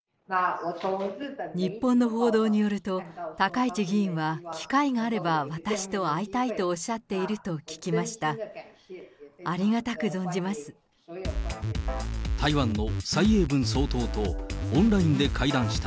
日本の報道によると、高市議員は機会があれば私と会いたいとおっしゃっていると聞きました。